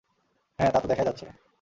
হ্যাঁ, তা তো দেখাই যাচ্ছে।